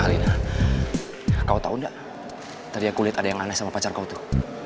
alina kau tau gak tadi aku liat ada yang aneh sama pacar kau tuh